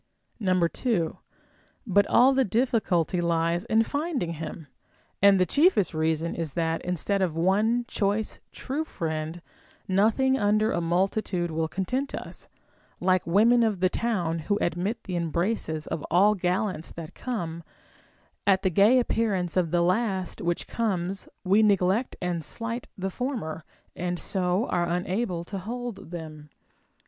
OF THE FOLLY OF SEEKING MANY FRIENDS. 465 2. But all the difficulty lies in finding him ; and the chiefest reason is that, instead of one choice true friend, nothing under a multitude will content us ; like Avomen of the town who admit the embraces of all gallants that come, at the gay appearance of the last which comes Ave neglect and slight the former, and so are unable to hold them.